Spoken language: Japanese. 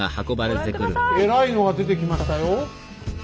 えらいのが出てきましたよ？